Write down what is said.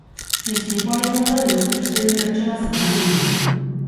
Istripuaren ondorioz, beste bi pertsona zauritu dira.